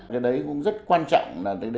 cái đấy cũng rất quan trọng